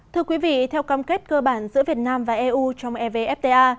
thưa quý vị theo cam kết cơ bản giữa việt nam và eu trong evfta